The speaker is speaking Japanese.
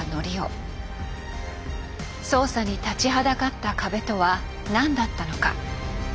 捜査に立ちはだかった壁とは何だったのか。